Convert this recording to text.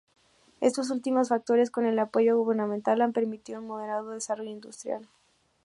Estos últimos factores, con el apoyo gubernamental han permitido un moderado desarrollo industrial.